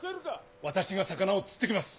私が魚を釣って来ます！